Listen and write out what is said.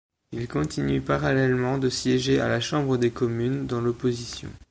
Il continue parallèlement de siéger à la chambre des Communes, dans l’opposition.